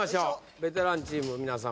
ベテランチームの皆さん